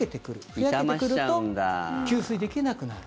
ふやけてくると吸水できなくなる。